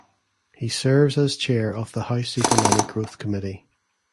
He serves as chair of the House Economic Growth Committee.